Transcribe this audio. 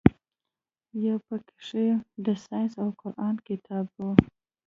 يو پکښې د ساينس او قران کتاب و.